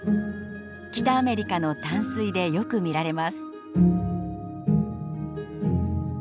北アメリカの淡水でよく見られます。